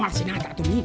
mual sina tak tunduk